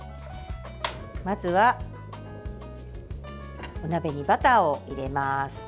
まずは、お鍋にバターを入れます。